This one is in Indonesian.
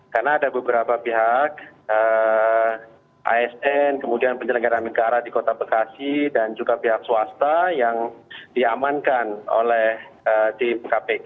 karena ada beberapa pihak asn kemudian penjelenggaraan negara di kota bekasi dan juga pihak swasta yang diamankan oleh tim kpk